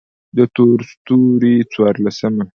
د تور ستوري څوارلسمه: